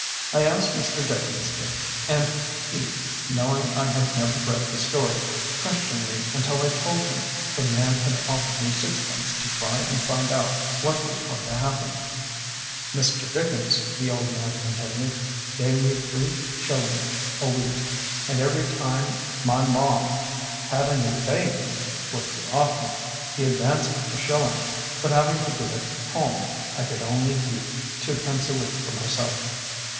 I asked Mr. Dickens and he, know ing I had never read the story, ques tioned me until I told him the man had offered me sixpence to try and find out what was going to happen." A TALK WITH CHARLES DICKENS'S OFFICE BOY "Mr. Dickens", the old man con tinued, "gave me three shillings a week, and every time my Ma had a new baby (which was often) he ad vanced me a shilling, but having to give it home, I could only keep two pence a wedt for myself.